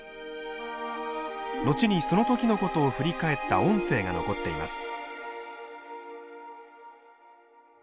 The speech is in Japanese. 後にその時のことを振り返った音声が残っています。